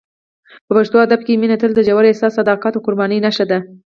په پښتو ادب کې مینه تل د ژور احساس، صداقت او قربانۍ نښه ده.